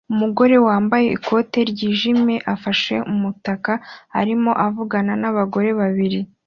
Umugore wambaye ikoti ryijimye afashe umutaka arimo avugana nabagore babiri